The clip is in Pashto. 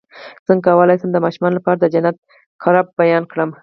څنګه کولی شم د ماشومانو لپاره د جنت د قرب بیان کړم